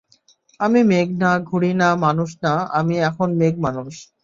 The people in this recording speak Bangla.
আমি মেঘ না, ঘুড়ি না, মানুষ না, আমি এখন মেঘ মানুষ।